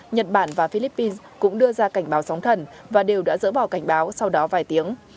nhật bản và philippines cũng đưa ra cảnh báo sóng thần và đều đã dỡ bỏ cảnh báo sau đó vài tiếng